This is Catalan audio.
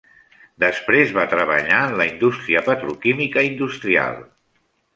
Després va treballar en la indústria petroquímica industrial.